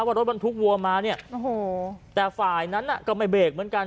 ว่ารถบรรทุกวัวมาเนี่ยโอ้โหแต่ฝ่ายนั้นก็ไม่เบรกเหมือนกัน